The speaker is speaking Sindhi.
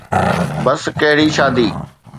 بس ڪهڙي شادي؟